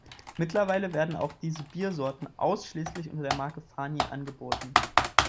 Mittlerweile werden auch diese Biersorten ausschließlich unter der Marke Farny angeboten.